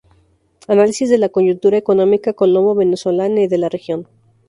Análisis de la coyuntura económica Colombo Venezolana y de la región.